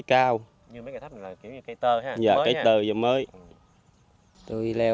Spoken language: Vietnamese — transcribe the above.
như mấy cây thấp này là kiểu như cây tơ hả